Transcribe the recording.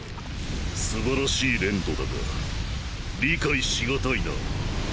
素晴らしい練度だが理解し難いな。